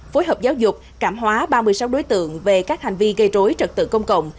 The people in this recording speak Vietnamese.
phối hợp giáo dục cảm hóa ba mươi sáu đối tượng về các hành vi gây rối trật tự công cộng